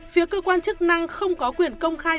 phía cơ quan chức năng không có quyền công khai